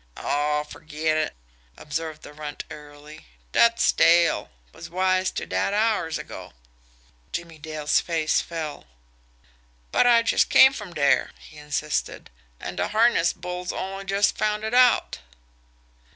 "Aw, ferget it!" observed the Runt airily. "Dat's stale. Was wise to dat hours ago." Jimmie Dale's face fell. "But I just come from dere," he insisted; "an' de harness bulls only just found it out."